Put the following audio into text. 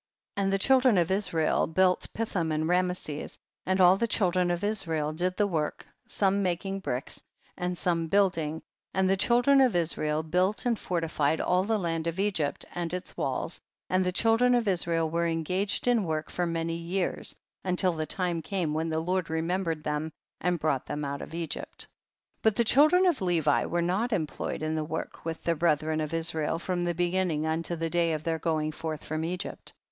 31. And the children of Israel built Pithom and Rameses, and all tiie children of Israel did the work, some making bricks, and some building, and the children of Israel built and fortified all the land of Egypt and its walls, and the children of Israel were engaged in work for many years, until the time came when the Lord remembered them and brought them out of Egypt. 32. But the children of Levi were not employed in the work with their brethren of Israel, from the beginning unto the day of their going forth from Egypt.